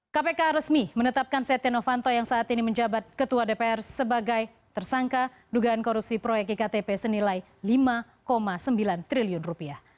kpk resmi menetapkan setia novanto yang saat ini menjabat ketua dpr sebagai tersangka dugaan korupsi proyek iktp senilai lima sembilan triliun rupiah